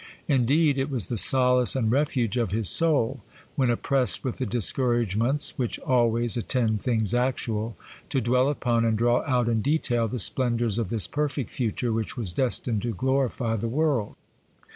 Indeed, it was the solace and refuge of his soul, when oppressed with the discouragements which always attend things actual, to dwell upon and draw out in detail the splendours of this perfect future which was destined to glorify the world.